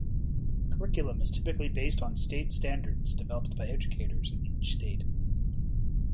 Curriculum is typically based on state standards developed by educators in each state.